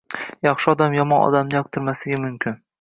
Yaxshi odam yomon odamni yoqtirmasligi mumkin.